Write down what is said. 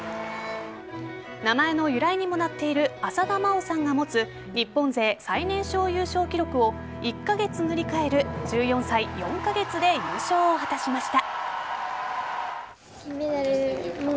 名前の由来にもなっている浅田真央さんが持つ日本勢最年少優勝記録を１か月塗り替える１４歳４カ月で優勝を果たしました。